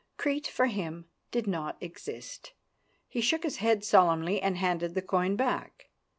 Crete for him did not exist. He shook his head solemnly and handed the coin back.